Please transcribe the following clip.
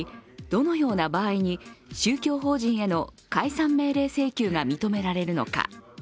どのような場合に宗教法人への解散命令請求が認められるのか。